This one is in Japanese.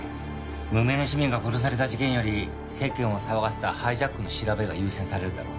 無名の市民が殺された事件より世間を騒がせたハイジャックの調べが優先されるだろう。